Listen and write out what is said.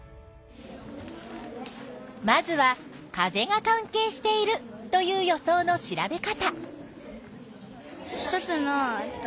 まずは風が関係しているという予想の調べ方。